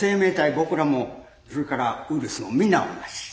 僕らもそれからウイルスもみんな同じ。